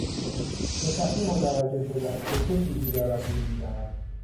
به سختی متوجه شدم که چه چیزی دارد روی میدهد.